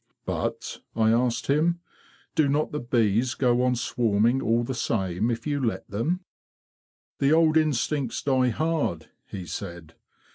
'But,' I asked him, '' do not the bees go on swarming all the same, if you let them? "' ""The old instincts die hard," he said.